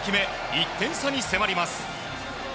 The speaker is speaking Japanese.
１点差に迫ります。